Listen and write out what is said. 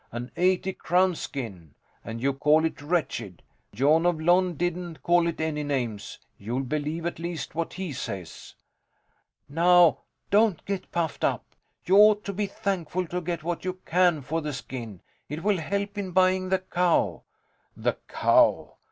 An eighty crown skin! And you call it wretched! Jon of Lon didn't call it any names. You'll believe at least what he says. Now, don't get puffed up. You ought to be thankful to get what you can for the skin. It will help in buying the cow. The cow?